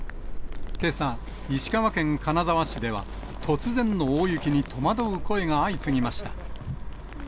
けさ、石川県金沢市では、突然の大雪に戸惑う声が相次ぎました。